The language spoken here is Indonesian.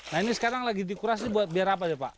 nah ini sekarang lagi dikurasi buat biar apa ya pak